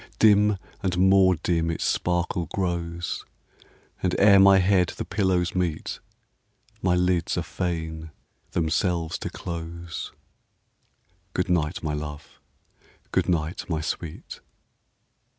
Dim and more dim its sparkle grows, And ere my head the pillows meet, My lids are fain themselves to close. Good night, my love! good night, my sweet!